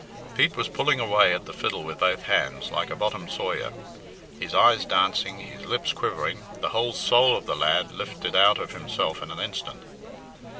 Pete was pulling away at the fiddle with both hands, like a bottom sawyer, his eyes dancing, his lips quivering, the whole soul of the lad lifted out of himself in an instant.